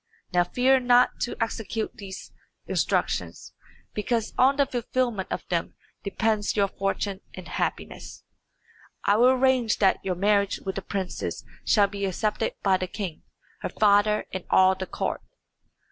Now fear not to execute these instructions, because on the fulfilment of them depends your fortune and happiness. I will arrange that your marriage with the princess shall be accepted by the king, her father, and all the court."